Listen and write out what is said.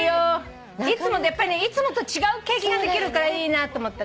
やっぱりいつもと違う経験ができるからいいなと思って。